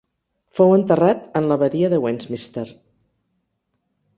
Fou enterrat en l'Abadia de Westminster.